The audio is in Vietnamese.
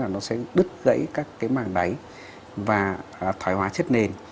nó sẽ đứt gãy các cái màng đáy và thoải hóa chất nền